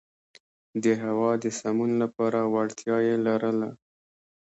د هوا د سمون لپاره وړتیا یې لرله.